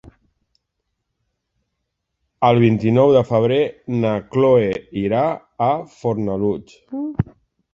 El vint-i-nou de febrer na Cloè irà a Fornalutx.